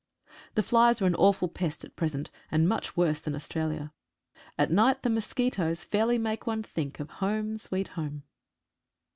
The flies are an awful pest at present, and much worse than in Australia. At night the mosquitoes fairly make one think of "Home, Sweet Home."